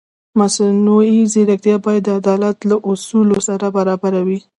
مصنوعي ځیرکتیا باید د عدالت له اصولو سره برابره وي.